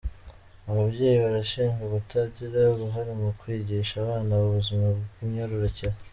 Ababyeyi barashinjwa kutagira uruhare mu kwigisha abana ubuzima bw’imyororokere.